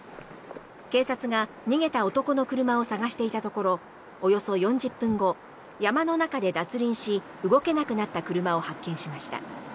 警察が逃げた男の車を探していたところおよそ４０分後、山の中で脱輪し動けなくなった車を発見しました。